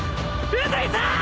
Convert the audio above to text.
宇髄さん！